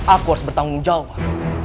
aku harus bertanggung jawab